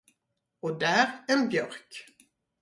Och där en björk.